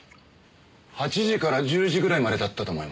８時から１０時ぐらいまでだったと思います。